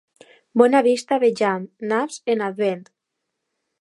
Bona vista vejam, naps en Advent.